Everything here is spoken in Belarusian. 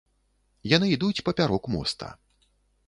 Яны ідуць папярок моста.